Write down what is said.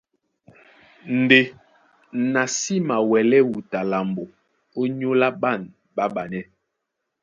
Ndé na sí mawɛlɛ́ wuta lambo ónyólá ɓân ɓáɓanɛ́.